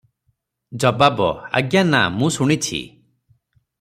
ଜବାବ - ଆଜ୍ଞା ନା, ମୁଁ ଶୁଣିଛି ।